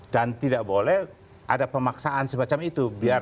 dan tidak boleh ada pemaksaan semacam itu